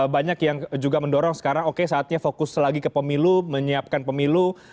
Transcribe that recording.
banyak yang juga mendorong sekarang oke saatnya fokus lagi ke pemilu menyiapkan pemilu